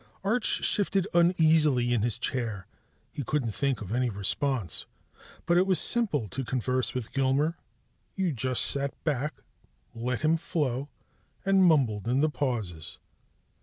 Arch shifted uneasily in his chair. He couldn't think of any response. But it was simple to converse with Gilmer: you just sat back, let him flow, and mumbled in the pauses.